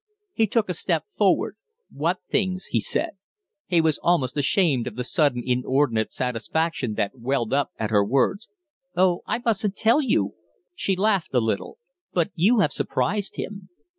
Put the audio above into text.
He took a step forward. "What things?" he said. He was almost ashamed of the sudden, inordinate satisfaction that welled up at her words. "Oh, I mustn't tell you!" She laughed a little. "But you have surprised him."